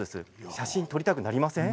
写真撮りたくなりません？